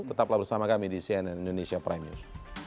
tetaplah bersama kami di cnn indonesia prime news